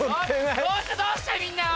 どうしたどうしたみんな。